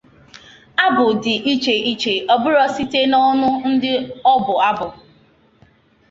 Abụ dị iche iche a bụrụ site n'ọnụ ndị ọbụ abụ